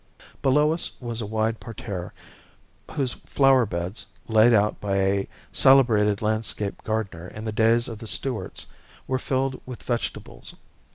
Below us was a wide parterre whose flower beds, laid out by a celebrated landscape gardener in the days of the Stuarts, were filled with vegetables.